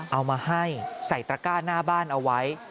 เอามาให้ใส่ตระก้าหน้าบ้านเอาไว้